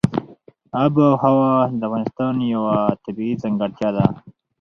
آب وهوا د افغانستان یوه طبیعي ځانګړتیا ده.